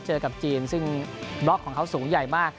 เจอกับจีนซึ่งบล็อกของเขาสูงใหญ่มาก